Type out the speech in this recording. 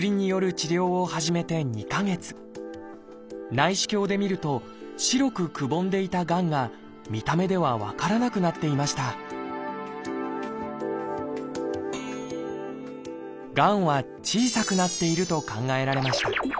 内視鏡で見ると白くくぼんでいたがんが見た目では分からなくなっていましたがんは小さくなっていると考えられました。